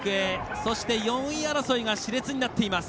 そして４位争いがしれつになっています。